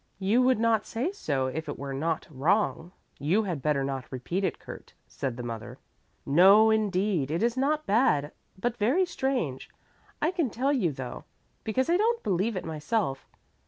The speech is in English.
"You would not say so if it were not wrong; you had better not repeat it, Kurt," said the mother. "No, indeed, it is not bad, but very strange. I can tell you though, because I don't believe it myself.